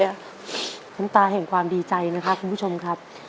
น้ำตาแห่งความดีใจนะครับคุณผู้ชมครับ